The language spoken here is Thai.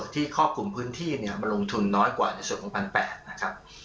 ที่คอบคุมพื้นที่มันลงทุนน้อยกว่าในส่วน๒๐๐๘นะครับ